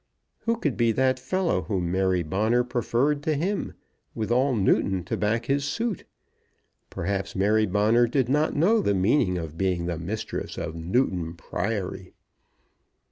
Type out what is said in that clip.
Who could be that fellow whom Mary Bonner preferred to him with all Newton to back his suit? Perhaps Mary Bonner did not know the meaning of being the mistress of Newton Priory.